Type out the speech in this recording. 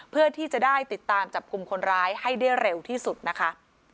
เพื่อที่จะได้ติดตามจับกลุ่มคนร้ายให้ได้เร็วที่สุดนะคะ